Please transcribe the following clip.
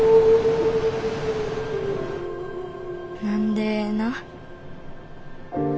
何でな。